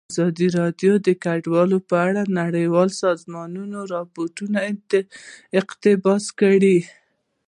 ازادي راډیو د کډوال په اړه د نړیوالو سازمانونو راپورونه اقتباس کړي.